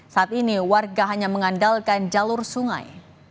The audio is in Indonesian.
saat ini warga hanya mengandalkan jalur sungai